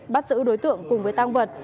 bắt giữ đối tượng cùng với tăng vật